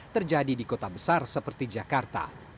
terjadi di kota besar seperti jakarta